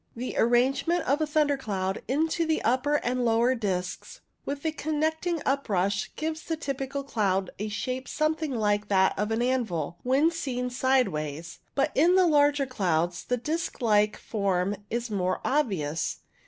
The arrangement of a thunder cloud into the upper and lower discs with a connecting uprush gives to the typical cloud a shape something like that of an anvil when seen sideways, but in the larger clouds the disc like form is more obvious.